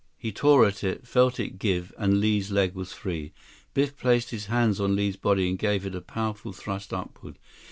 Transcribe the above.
He tore at it, felt it give, and Li's leg was free. Biff placed his hands on Li's body and gave it a powerful thrust upward.